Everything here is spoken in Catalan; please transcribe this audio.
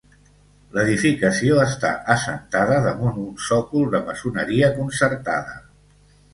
L'edificació està assentada damunt un sòcol de maçoneria concertada.